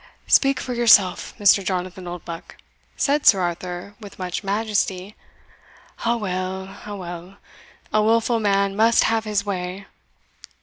"Speak for yourself, Mr. Jonathan Oldbuck," said Sir Arthur with much majesty. "A well, a well a wilful man must have his way."